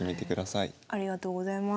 ありがとうございます。